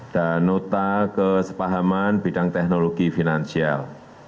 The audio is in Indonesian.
dan nota kesepahaman bidang teknologi finansial